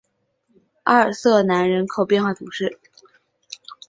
阿尔瑟南人口变化图示